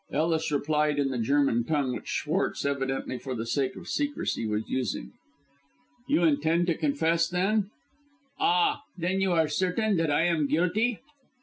Ellis replied in the German tongue which Schwartz, evidently for the sake of secrecy, was using. "You intend to confess, then?" "Ah, then you are certain that I am guilty?"